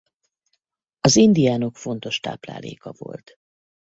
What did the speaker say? Az indiánok fontos tápláléka volt.